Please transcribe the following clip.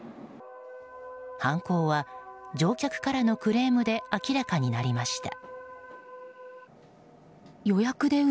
犯行は乗客からのクレームで明らかになりました。